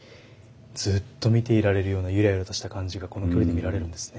ずっと見ていられるようなゆらゆらとした感じがこの距離で見られるんですね。